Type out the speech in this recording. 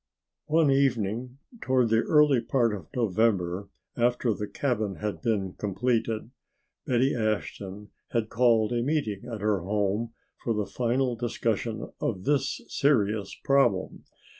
One evening toward the early part of November after the cabin had been completed, Betty Ashton had called a meeting at her home for the final discussion of this serious problem.